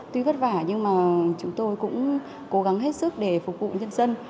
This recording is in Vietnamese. tuy vất vả nhưng mà chúng tôi cũng cố gắng hết sức để phục vụ nhân dân